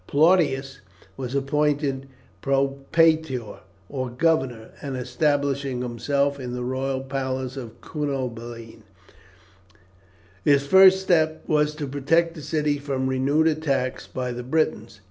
Plautius was appointed propraetor, or governor, and establishing himself in the royal palace of Cunobeline, his first step was to protect the city from renewed attacks by the Britons.